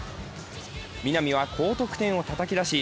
南は高得点をたたき出し